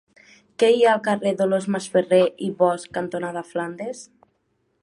Què hi ha al carrer Dolors Masferrer i Bosch cantonada Flandes?